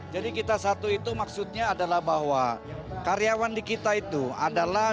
jadi kita satu itu maksudnya adalah bahwa karyawan di kita itu adalah